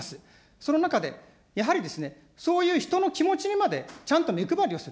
その中で、やはりですね、そういう人の気持ちにまでちゃんと目配りをする。